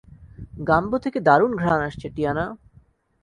গাম্বো থেকে দারুণ ঘ্রাণ আসছে, টিয়ানা।